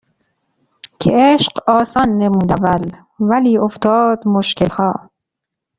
که عشق آسان نمود اول ولی افتاد مشکلها